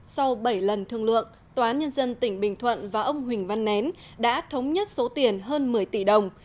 sau bảy lần thương lượng tòa án nhân dân tỉnh bình thuận và ông huỳnh văn nén đã thống nhất số tiền hơn một mươi tỷ đồng